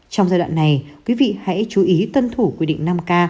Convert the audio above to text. trong giai đoạn này quý vị hãy chú ý tuân thủ quy định năm k